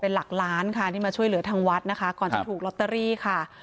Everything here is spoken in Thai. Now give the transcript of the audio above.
เป็นหลักล้านค่ะที่มาช่วยเหลือทางวัดนะคะก่อนจะถูกลอตเตอรี่ค่ะ